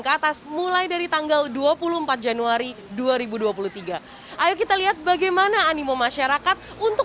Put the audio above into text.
ke atas mulai dari tanggal dua puluh empat januari dua ribu dua puluh tiga ayo kita lihat bagaimana animo masyarakat untuk